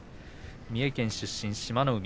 三重県出身、志摩ノ海。